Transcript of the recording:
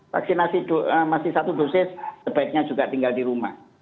vaksinasi masih satu dosis sebaiknya juga tinggal di rumah